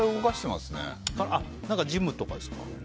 ジムとかですか？